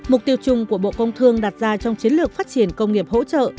mục tiêu chung của bộ công thương đặt ra trong chiến lược phát triển công nghiệp hỗ trợ